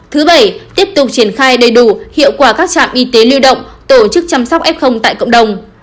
thứ bảy tiếp tục triển khai đầy đủ hiệu quả các trạm y tế lưu động tổ chức chăm sóc f tại cộng đồng